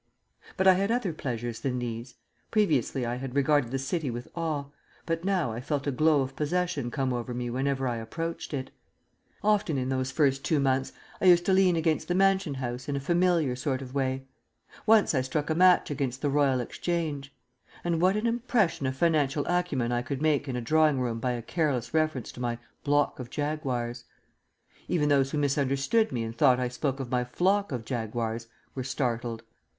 But I had other pleasures than these. Previously I had regarded the City with awe, but now I felt a glow of possession come over me whenever I approached it. Often in those first two months I used to lean against the Mansion House in a familiar sort of way; once I struck a match against the Royal Exchange. And what an impression of financial acumen I could make in a drawing room by a careless reference to my "block of Jaguars"! Even those who misunderstood me and thought I spoke of my "flock of jaguars" were startled.